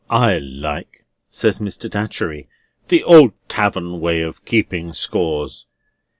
"I like," says Mr. Datchery, "the old tavern way of keeping scores.